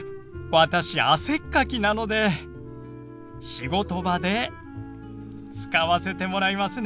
私汗っかきなので仕事場で使わせてもらいますね。